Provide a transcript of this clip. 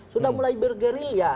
sudah mulai bergerilya